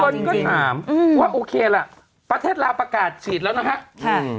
คนก็ถามว่าโอเคล่ะประเทศลาวประกาศฉีดแล้วนะฮะค่ะ